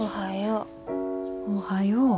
おはよう。